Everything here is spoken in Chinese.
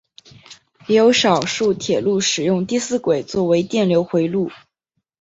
也有少数铁路使用第四轨作为电流回路。